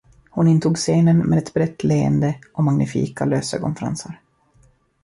Hon intog scenen med ett brett leende och magnifika lösögonfransar.